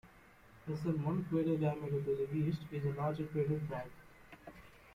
Less than one crater diameter to the east is the larger crater Bragg.